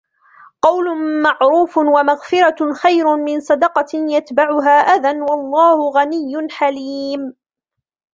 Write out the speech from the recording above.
قول معروف ومغفرة خير من صدقة يتبعها أذى والله غني حليم